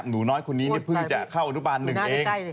หนูน้อยคนนี้เนี่ยเพื่อจะเข้าอุณหภาณหนึ่งเอง